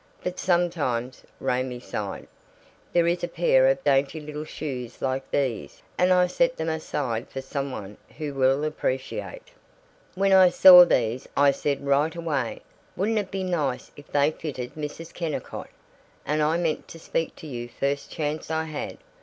"But sometimes," Raymie sighed, "there is a pair of dainty little shoes like these, and I set them aside for some one who will appreciate. When I saw these I said right away, 'Wouldn't it be nice if they fitted Mrs. Kennicott,' and I meant to speak to you first chance I had.